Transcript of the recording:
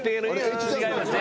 違いますね。